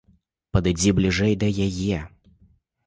Падыдзі бліжэй да яе.